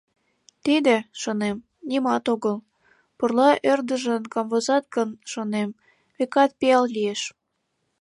Тиде, шонем, нимат огыл: пурла ӧрдыжын камвозат гын, шонем, векат пиал лиеш.